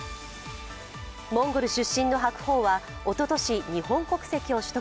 モンゴル出身の白鵬はおととし、日本国籍を取得。